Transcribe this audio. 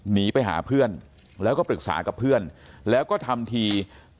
หนีไปหาเพื่อนแล้วก็ปรึกษากับเพื่อนแล้วก็ทำที